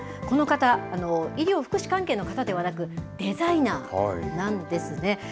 この方、医療・福祉関係の方ではなく、デザイナーなんですね。